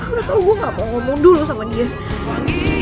udah tau gue gak mau ngomong dulu sama dia